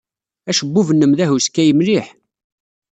Acebbub-nnem d ahuskay mliḥ.